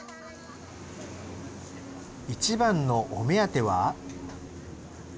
一番のお目当ては。